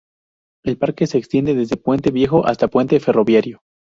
El parque se extiende desde el Puente Viejo hasta el Puente Ferroviario.